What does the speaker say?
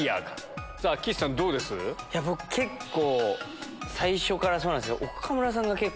結構最初からそうなんですけど。